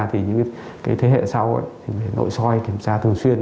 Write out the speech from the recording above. thì những thế hệ sau thì phải nội soi kiểm tra thường xuyên